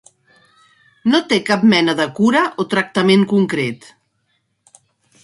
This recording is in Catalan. No té cap mena de cura o tractament concret.